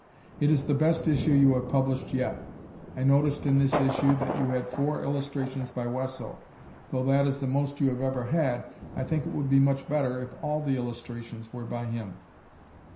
It is the best issue you have published yet. I noticed in this issue that you had four illustrations by Wesso. Though that is the most you have ever had, I think it would be much better if all the illustrations were by him.